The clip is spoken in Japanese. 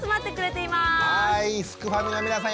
はいすくファミの皆さん